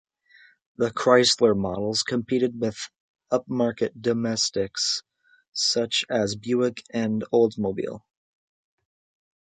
The Chrysler models competed with upmarket domestics such as Buick and Oldsmobile.